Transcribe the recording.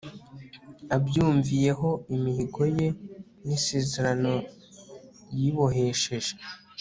abyumviyeho imihigo ye n isezerano yibohesheje